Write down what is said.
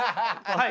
はい。